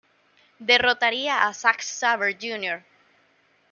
Derrotaría a Zack Saber Jr.